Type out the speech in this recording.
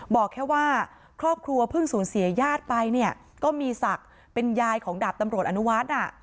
บอกแค่ว่าครอบครัวเพิ่งสูญเสียญาติไปเนี่ยก็มีศักดิ์เป็นยายของดาบตำรวจอนุวัฒน์